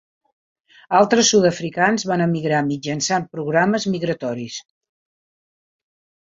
Altres sud-africans van emigrar mitjançant programes migratoris.